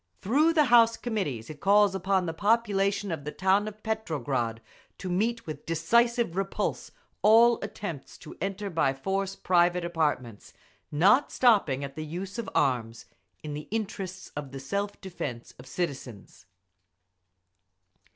Through the House Committees it calls upon the population of the town of Petrograd to meet with decisive repulse all attempts to enter by force private apartments, not stopping at the use of arms, in the interests of the self defence of citizens.